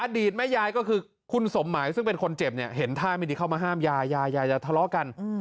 อดีตแม่ยายก็คือคุณสมหมายซึ่งเป็นคนเจ็บเนี่ยเห็นท่าไม่ดีเข้ามาห้ามยายายายจะทะเลาะกัน